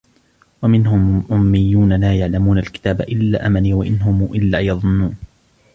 ومنهم أميون لا يعلمون الكتاب إلا أماني وإن هم إلا يظنون